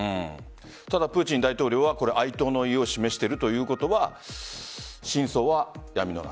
ただ、プーチン大統領が哀悼の意を示しているということは真相は闇の中。